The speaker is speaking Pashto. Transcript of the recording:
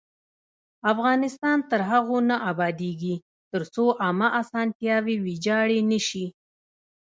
افغانستان تر هغو نه ابادیږي، ترڅو عامه اسانتیاوې ویجاړې نشي.